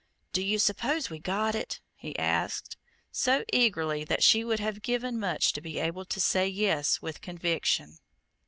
"Do you suppose we got it?" he asked, so eagerly that she would have given much to be able to say yes with conviction.